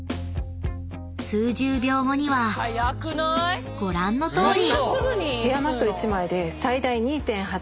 ［数十秒後にはご覧のとおり］